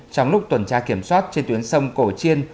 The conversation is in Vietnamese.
trong lúc tuần tra kiểm soát trên tuyến sông cổ chiên